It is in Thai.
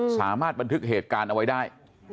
สามารถบันทึกเหตุการณ์เอาไว้ได้